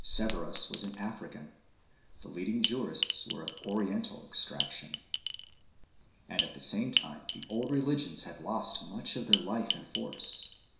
Severus was an African. The leading jurists were of Oriental ex traction 1 ." And at the same time the old religions had lost much of their life and force.